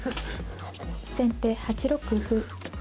先手８六歩。